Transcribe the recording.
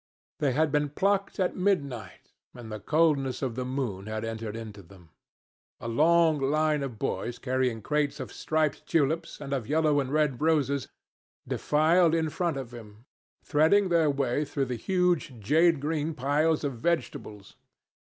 They had been plucked at midnight, and the coldness of the moon had entered into them. A long line of boys carrying crates of striped tulips, and of yellow and red roses, defiled in front of him, threading their way through the huge, jade green piles of vegetables.